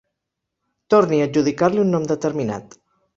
Torni a adjudicar-li un nom determinat.